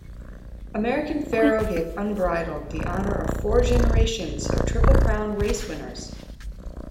American Pharoah gave Unbridled the honour of four generations of Triple Crown race winners.